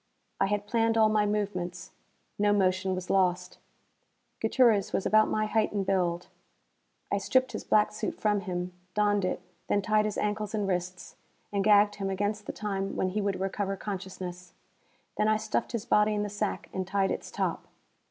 I had planned all my movements. No motion was lost. Gutierrez was about my height and build. I stripped his black suit from him, donned it, then tied his ankles and wrists, and gagged him against the time when he would recover consciousness. Then I stuffed his body in the sack and tied its top.